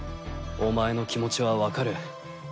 お前の気持ちはわかる。